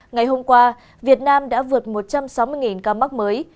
ngày hôm qua việt nam đã vượt một trăm sáu mươi ca mắc mới